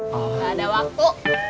gak ada waktu